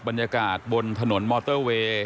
บรรยากาศบนถนนมอเตอร์เวย์